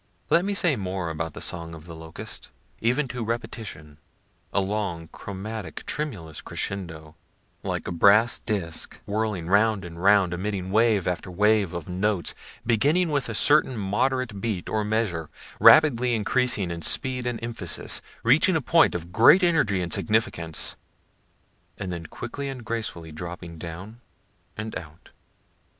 Let me say more about the song of the locust, even to repetition; a long, chromatic, tremulous crescendo, like a brass disk whirling round and round, emitting wave after wave of notes, beginning with a certain moderate beat or measure, rapidly increasing in speed and emphasis, reaching a point of great energy and significance, and then quickly and gracefully dropping down and out.